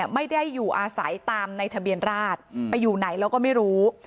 ไม่ได้อยู่อาศัยตามในทะเบียนราชไปอยู่ไหนแล้วก็ไม่รู้